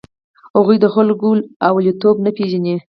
هغوی د خلکو لومړیتوب نه پېژني.